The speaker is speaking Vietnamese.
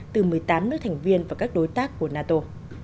từ một mươi tám nước thành viên và các đối tác của nato